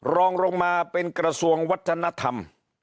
รองลงมาเป็นกระทรวงวัฒนธรรม